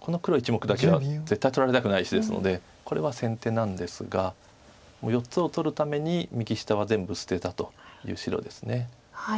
この黒１目だけは絶対取られたくない石ですのでこれは先手なんですがもう４つを取るために右下は全部捨てたという白です。